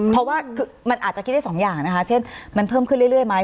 เพราะว่ามันอาจจะคิดได้สองอย่างนะคะเช่นมันเพิ่มขึ้นเรื่อยไหม